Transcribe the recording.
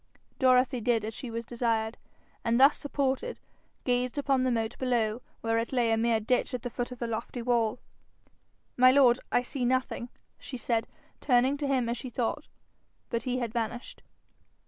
Dorothy did as she was desired, and thus supported gazed upon the moat below, where it lay a mere ditch at the foot of the lofty wall. 'My lord, I see nothing,' she said, turning to him, as she thought; but he had vanished.